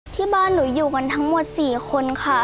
ที่บ้านหนูอยู่กันทั้งหมด๔คนค่ะ